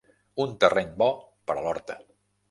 Un terreny bo per a l'horta.